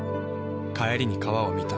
帰りに川を見た。